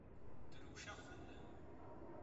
Drewceɣ fell-am.